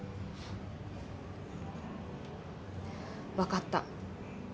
分かった。